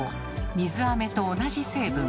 水あめと同じ成分。